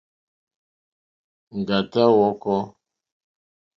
Ŋɡàtá hwɔ̄kɔ̄.